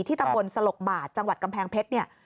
ที่ตำบลสลกบาดจังหวัดกำแพงเพชร